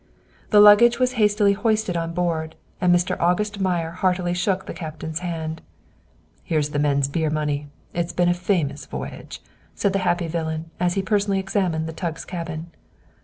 The luggage was hastily hoisted on board, and Mr. August Meyer heartily shook the Captain's hand. "Here's the men's beer money. It has been a famous voyage," said the happy villain, as he personally examined the tug's cabin.